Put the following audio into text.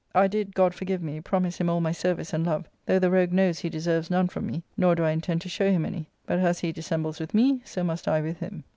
I did, God forgive me! promise him all my service and love, though the rogue knows he deserves none from me, nor do I intend to show him any; but as he dissembles with me, so must I with him.